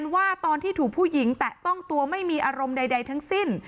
ว่าตอนที่ถูกผู้หญิงแตะต้องตัวไม่มีอารมณ์ใดทั้งสิ้น